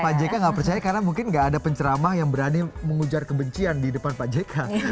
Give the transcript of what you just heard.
pak jk nggak percaya karena mungkin nggak ada penceramah yang berani mengujar kebencian di depan pak jk